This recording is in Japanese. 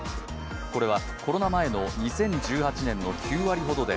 これはコロナ前の２０１８年の９割ほどで